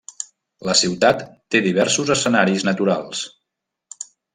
La ciutat té diversos escenaris naturals.